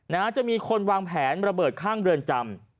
นะฮะจะมีคนวางแผนระเบิดข้างเรือนจำ